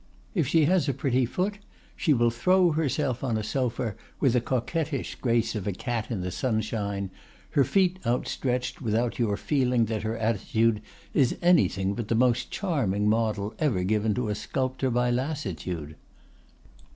If she has a pretty foot, she will throw herself on a sofa with the coquettish grace of a cat in the sunshine, her feet outstretched without your feeling that her attitude is anything but the most charming model ever given to a sculptor by lassitude.